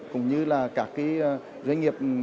cũng như là các cái doanh nghiệp của tỉnh quảng bình